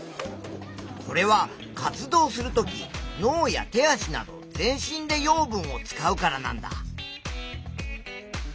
これは活動するとき脳や手足など全身で養分を使うからなんだ。